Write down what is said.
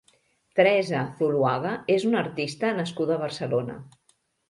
Teresa Zuluaga és una artista nascuda a Barcelona.